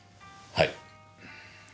はい？